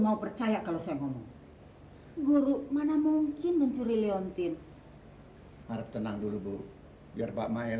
mau percaya kalau saya ngomong guru mana mungkin mencuri leontin harap tenang dulu bu biar pak mail